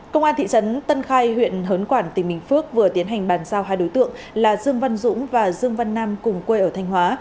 công an thị trấn tân khai huyện hớn quản tỉnh bình phước vừa tiến hành bàn giao hai đối tượng là dương văn dũng và dương văn nam cùng quê ở thanh hóa